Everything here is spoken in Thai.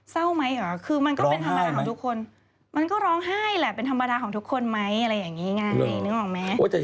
เศร้าไหมเหรอคือมันก็เป็นธรรมดาของทุกคนมันก็ร้องไห้แหละเป็นธรรมดาของทุกคนไหมอะไรอย่างนี้ไงนึกออกไหม